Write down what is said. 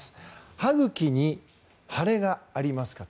歯茎に腫れがありますか？